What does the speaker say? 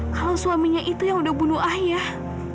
kalau suaminya itu yang udah bunuh ayah